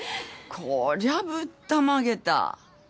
こりゃぶったまげた。